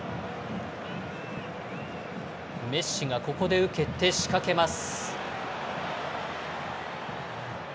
メッシがここで受けて仕掛けます。